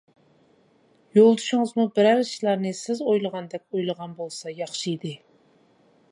يولدىشىڭىزمۇ بىرەر ئىشلارنى سىز ئويلىغاندەك ئويلىغان بولسا ياخشى ئىدى.